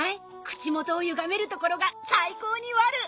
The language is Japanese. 口元をゆがめるところが最高にワル！